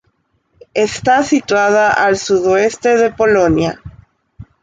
Está situada al sudoeste de Polonia.